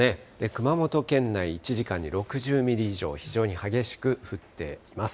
熊本県内、１時間に６０ミリ以上、非常に激しく降っています。